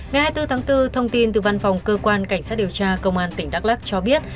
ngày hai mươi bốn tháng bốn thông tin từ văn phòng cơ quan cảnh sát điều tra công an tỉnh đắk lắc cho biết